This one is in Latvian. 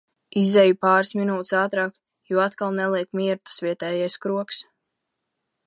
Izeju pāris minūtes ātrāk, jo atkal neliek mieru tas vietējais krogs.